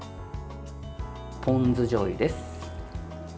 ポン酢じょうゆです。